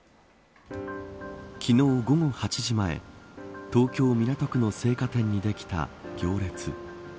昨日、午後８時前東京港区の生花店にできた行列。